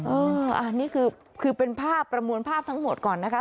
เอ่อ๋อนี่ครับคือเป็นภาพประมวลภาพทั้งหมดก่อนนะคะ